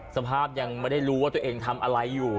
สภาพยังไม่ได้รู้ว่าตัวเองทำอะไรอยู่